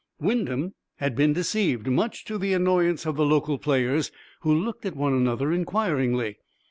Wyndham had been deceived, much to the annoyance of the local players, who looked at one another inquiringly.